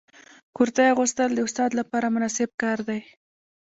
کرتۍ اغوستل د استاد لپاره مناسب کار دی.